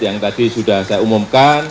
yang tadi sudah saya umumkan